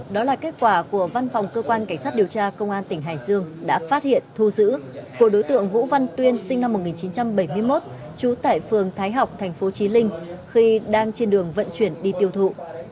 đó là kết quả của văn phòng cơ quan cảnh sát điều tra công an tỉnh hải dương đã phát hiện thu giữ của đối tượng vũ văn tuyên sinh năm một nghìn chín trăm bảy mươi một trú tại phường thái học thành phố trí linh khi đang trên đường vận chuyển đi tiêu thụ